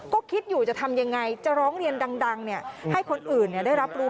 ก็คิดอยู่จะทำยังไงจะร้องเรียนดังให้คนอื่นได้รับรู้